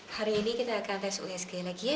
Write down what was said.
hari ini kita akan tes usg lagi ya